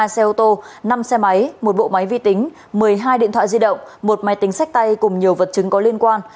ba xe ô tô năm xe máy một bộ máy vi tính một mươi hai điện thoại di động một máy tính sách tay cùng nhiều vật chứng có liên quan